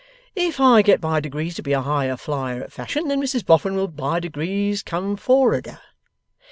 If I get by degrees to be a higher flyer at Fashion, then Mrs Boffin will by degrees come for'arder.